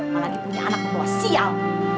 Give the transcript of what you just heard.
malah punya anak pembawa sial